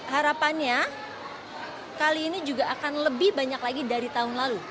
harapannya kali ini juga akan lebih banyak lagi dari tahun lalu